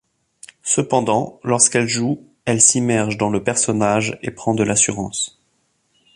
Cependant lorsqu'elle joue, elle s'immerge dans le personnage et prend de l'assurance.